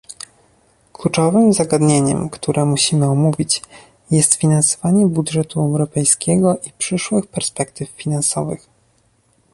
Kluczowym zagadnieniem, które musimy omówić, jest finansowanie budżetu europejskiego i przyszłych perspektyw finansowych